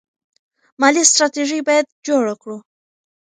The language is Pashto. مالي ستراتیژي باید جوړه کړو.